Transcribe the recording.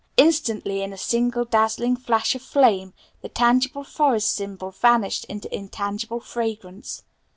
Instantly in a single dazzling flash of flame the tangible forest symbol vanished in intangible fragrance.